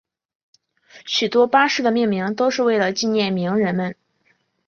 许多巴士的命名都是为了纪念名人们。